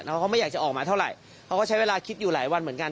เขาก็ไม่อยากจะออกมาเท่าไหร่เขาก็ใช้เวลาคิดอยู่หลายวันเหมือนกัน